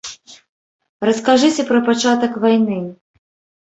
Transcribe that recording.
Раскажыце пра пачатак вайны.